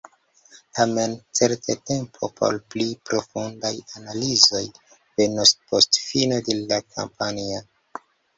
Tamen certe tempo por pli profundaj analizoj venos post fino de la kampanjo.